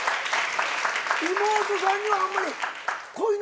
妹さんにはあんまり恋の話しないの？